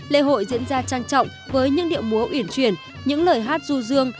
lễ hội diễn ra trang trọng với những điệu múa ủyển chuyển những lời hát ru rương